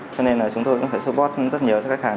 cho nên là chúng tôi cũng phải support rất nhiều các khách hàng